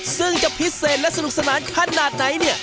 ซึ่งจะพิเศษและสนุกสนานขนาดไหนเนี่ย